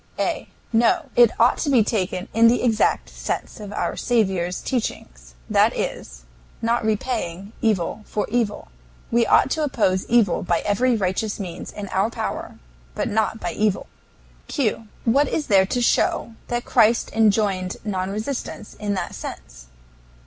A. No; it ought to be taken in the exact sense of our Saviour's teaching that is, not repaying evil for evil. We ought to oppose evil by every righteous means in our power, but not by evil. Q. What is there to show that Christ enjoined non resistance in that sense?